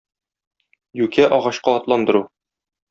Юкә агачка атландыру.